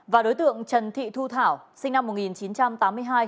và đối tượng trần thị thu thảo sinh năm một nghìn chín trăm tám mươi hai